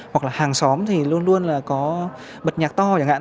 hoặc là hàng xóm thì luôn luôn là có bật nhạc to chẳng hạn